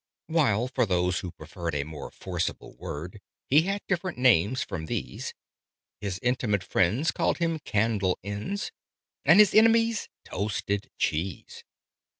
While, for those who preferred a more forcible word, He had different names from these: His intimate friends called him "Candle ends," And his enemies "Toasted cheese."